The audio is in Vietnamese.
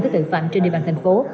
với tội phạm trên địa bàn thành phố